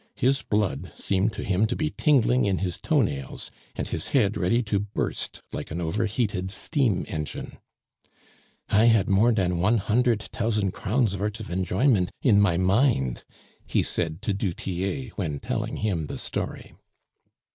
His blood seemed to him to be tingling in his toe nails, and his head ready to burst like an overheated steam engine. "I had more dan one hundert tousand crowns' vort of enjoyment in my mind," he said to du Tillet when telling him the story.